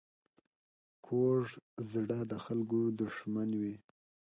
کوږ زړه د خلکو دښمن وي